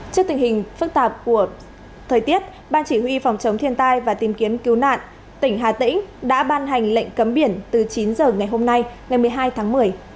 trước tình hình phức tạp của thời tiết ban chỉ huy phòng chống thiên tai và tìm kiếm cứu nạn tỉnh hà tĩnh đã ban hành lệnh cấm biển từ chín giờ ngày hôm nay ngày một mươi hai tháng một mươi